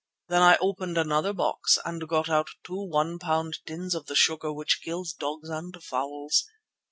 Then I opened another box and got out two one pound tins of the sugar which kills dogs and fowls.